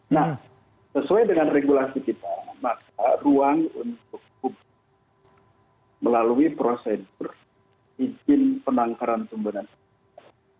nah sesuai dengan regulasi kita maka ruang untuk kubur melalui prosedur izin penangkaran tumbuhan dan satwa liar